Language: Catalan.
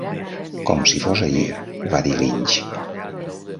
"Com si fos ahir", va dir Lynch.